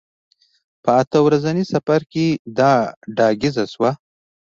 په اته ورځني سفر کې دا ډاګیزه شوه.